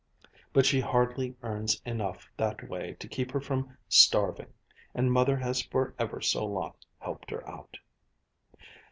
But she hardly earns enough that way to keep her from starving, and Mother has for ever so long helped her out.